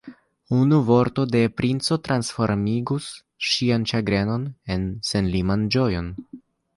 Unu vorto de l' princo transformigus ŝian ĉagrenon en senliman ĝojon.